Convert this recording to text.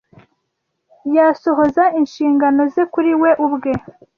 yasohoza inshingano ze kuri we ubwe,